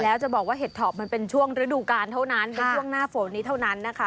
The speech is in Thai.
แล้วจะบอกว่าเห็ดถอบมันเป็นช่วงฤดูกาลเท่านั้นเป็นช่วงหน้าฝนนี้เท่านั้นนะคะ